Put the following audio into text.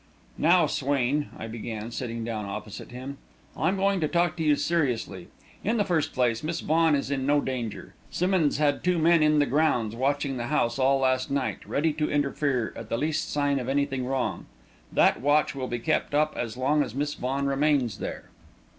"Now, Swain," I began, sitting down opposite him, "I'm going to talk to you seriously. In the first place, Miss Vaughan is in no danger. Simmonds had two men in the grounds watching the house all last night, ready to interfere at the least sign of anything wrong. That watch will be kept up as long as Miss Vaughan remains there."